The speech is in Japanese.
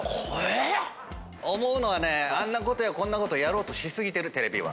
えっ⁉思うのはねあんなことやこんなことやろうとし過ぎてるテレビは。